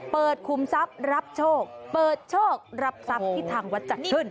คุมทรัพย์รับโชคเปิดโชครับทรัพย์ที่ทางวัดจัดขึ้น